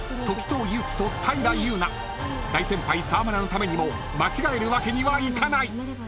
［大先輩沢村のためにも間違えるわけにはいかない！］